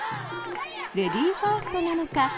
レディーファーストなのか